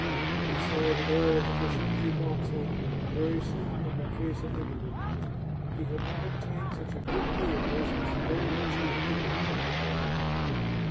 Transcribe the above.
He saw the door of the Crescenzi box open, and very soon the mar chesa entered it. He had not obtained such a good view of her since the day when she had given him her fan.